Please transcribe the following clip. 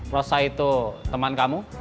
rosa itu teman kamu